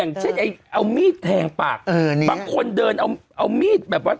อย่างเช่นไอ้เอามีดแทงปากบางคนเดินเอาเอามีดแบบว่า